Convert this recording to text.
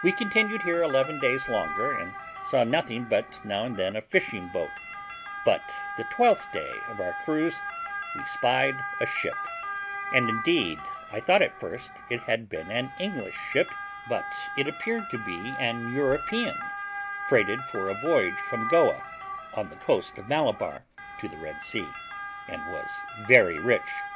We continued here eleven days longer, and saw nothing but now and then a fishing boat; but the twelfth day of our cruise we spied a ship: indeed I thought at first it had been an English ship, but it appeared to be an European freighted for a voyage from Goa, on the coast of Malabar, to the Red Sea, and was very rich.